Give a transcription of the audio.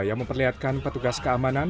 yang memperlihatkan petugas keamanan